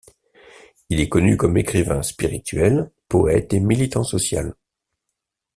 Il est connu comme écrivain spirituel, poète et militant social.